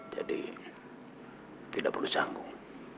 jadi tidak perlu canggung